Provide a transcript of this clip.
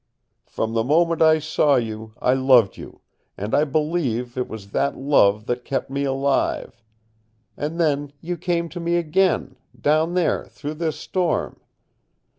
"From the moment I saw you I loved you, and I believe it was that love that kept me alive. And then you came to me again, down there, through this storm.